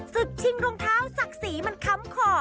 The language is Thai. สึกชิงรองเท้าสักสีมันค้ำคอ